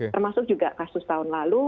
termasuk juga kasus tahun lalu